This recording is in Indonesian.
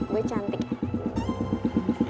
gue cantik ya